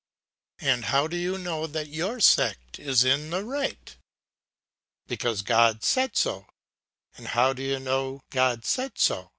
And how do you know that your sect is in the right? Because God said so. And how do you know God said so?